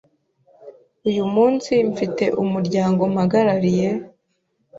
Uyu munsi mfite umuryango mpagarariye,